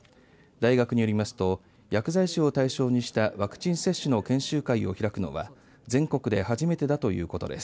大学によりますと薬剤師を対象にしたワクチン接種の研修会を開くのは全国で初めてだということです。